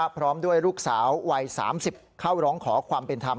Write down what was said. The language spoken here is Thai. พร้อมด้วยลูกสาววัย๓๐เข้าร้องขอความเป็นธรรม